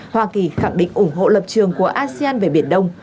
hoa kỳ khẳng định ủng hộ lập trường của asean về biển đông